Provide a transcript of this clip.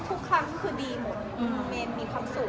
คิดว่าเมนเลือกทุกคนถูก